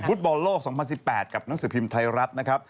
ฟุตบอลโลก๒๐๑๘กับหนังสือพิมพ์ไทยรัฐนะครับ